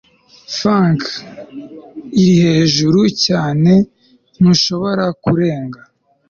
funk i hejuru cyane ntushobora kurenga